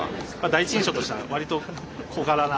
第一印象としてはわりと小柄な。